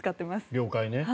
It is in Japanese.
了解ね。